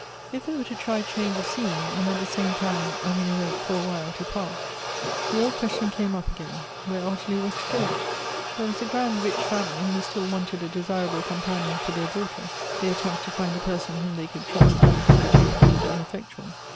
If they were to try change of scene, and at the same time (at any rate for awliile) to part, the old question came up again, where Ottilie was to go? There was the grand, rich family, who still wanted a desirable com panion for their daughter, their attempts to find a person whom they could trust having hitherto proved ineffec tual.